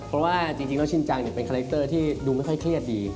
เพราะว่าจริงแล้วชินจังเป็นคาแรคเตอร์ที่ดูไม่ค่อยเครียดดี